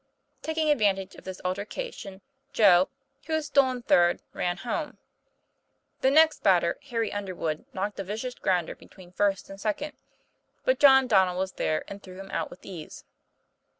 Taking advantage of this altercation, Joe, who had stolen third, ran home. The next batter, Harry Underwood, knocked a vicious grounder between first and second, but John Donnel was there and threw him out with ease.